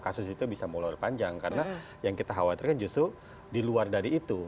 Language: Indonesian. kasus itu bisa melulur panjang karena yang kita khawatirkan justru di luar dari itu